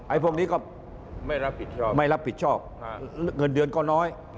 ไอ้พวกนี้ก็ไม่รับผิดชอบเงินเดือนก็น้อย